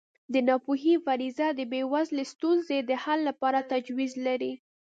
د ناپوهۍ فرضیه د بېوزلۍ ستونزې د حل لپاره تجویز لري.